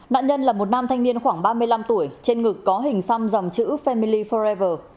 nạn nhân là một nam thanh niên khoảng ba mươi năm tuổi trên ngực có hình xăm dòng chữ family forrever